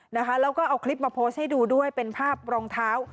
แล้วก็เอาคลิปมาโพสต์ให้ดูด้วยเป็นภาพรองเท้า